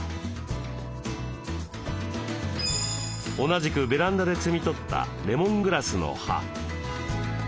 同じくベランダで摘み取ったレモングラスの葉。